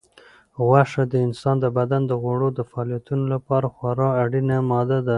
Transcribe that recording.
غوښه د انسان د بدن د غړو د فعالیتونو لپاره خورا اړینه ماده ده.